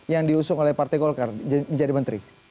yang diusung oleh partai golkar menjadi menteri